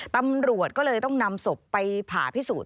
ตำรวจก็เลยต้องนำศพไปผ่าพิสูจน